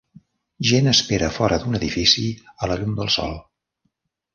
Gent espera fora d'un edifici a la llum del sol.